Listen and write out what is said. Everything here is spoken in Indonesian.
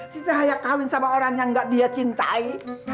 si cahaya kawin sama orang yang gak dia cintai